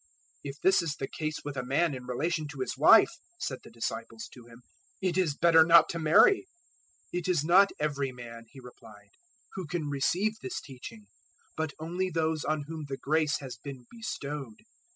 019:010 "If this is the case with a man in relation to his wife," said the disciples to Him, "it is better not to marry." 019:011 "It is not every man," He replied, "who can receive this teaching, but only those on whom the grace has been bestowed.